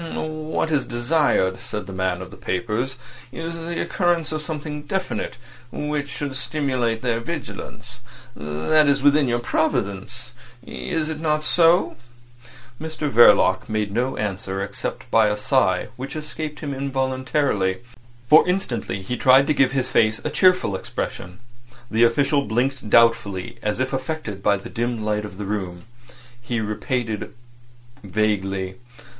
"What is desired," said the man of papers, "is the occurrence of something definite which should stimulate their vigilance. That is within your province—is it not so?" Mr Verloc made no answer except by a sigh, which escaped him involuntarily, for instantly he tried to give his face a cheerful expression. The official blinked doubtfully, as if affected by the dim light of the room. He repeated vaguely.